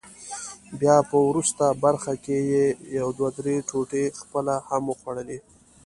بیا په وروست برخه کې یې یو دوه درې ټوټې خپله هم وخوړلې.